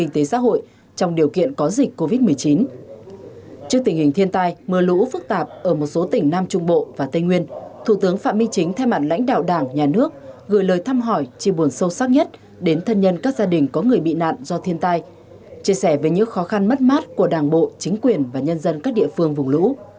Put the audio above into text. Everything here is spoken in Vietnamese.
trước tình hình thiên tai mưa lũ phức tạp ở một số tỉnh nam trung bộ và tây nguyên thủ tướng phạm minh chính thay mặt lãnh đạo đảng nhà nước gửi lời thăm hỏi chia buồn sâu sắc nhất đến thân nhân các gia đình có người bị nạn do thiên tai chia sẻ về những khó khăn mất mát của đảng bộ chính quyền và nhân dân các địa phương vùng lũ